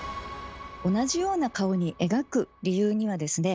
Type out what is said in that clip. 同じような顔に描く理由にはですね